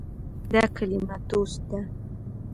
دا کلمه “دوست” ده.